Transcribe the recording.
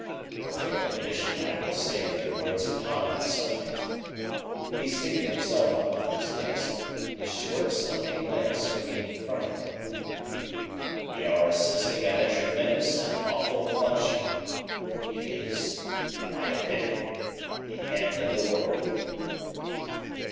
"With your permission I will say a few words upon that subject." He seated himself upon his desk, his short, stumpy legs swinging in front of him. "We are assisting at a tremendous and awful function. It is, in my opinion, the end of the world."